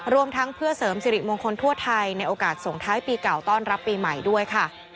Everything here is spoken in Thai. รวมทั้งเพื่อเสริมสิริมงคลทั่วไทยในโอกาสส่งท้ายปีเก่าต้อนรับปีใหม่ด้วยค่ะ